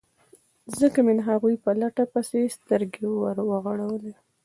ځکه مې د هغوی په لټه پسې سترګې ور وغړولې.